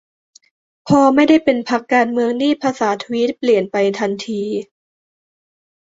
พอไม่ได้เป็นพรรคการเมืองนี่ภาษาทวีตเปลี่ยนไปทันที